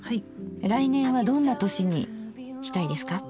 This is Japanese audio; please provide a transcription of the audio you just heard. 来年はどんな年にしたいですか？